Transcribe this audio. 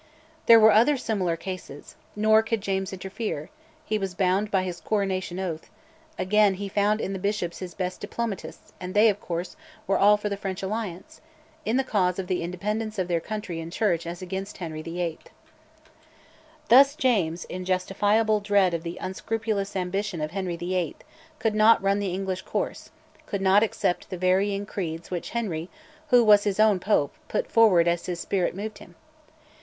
There were other similar cases, nor could James interfere he was bound by his Coronation Oath; again, he found in the bishops his best diplomatists, and they, of course, were all for the French alliance, in the cause of the independence of their country and Church as against Henry VIII. Thus James, in justifiable dread of the unscrupulous ambition of Henry VIII., could not run the English course, could not accept the varying creeds which Henry, who was his own Pope, put forward as his spirit moved him.